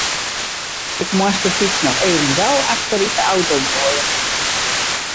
Ik moast de fyts noch even gau achter yn de auto goaie.